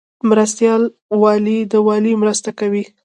مرستیال والی د والی مرسته کوي